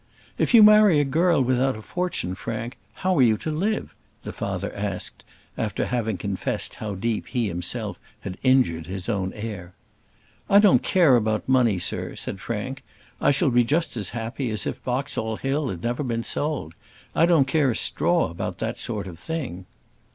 "If you marry a girl without a fortune, Frank, how are you to live?" the father asked, after having confessed how deep he himself had injured his own heir. "I don't care about money, sir," said Frank. "I shall be just as happy as if Boxall Hill had never been sold. I don't care a straw about that sort of thing."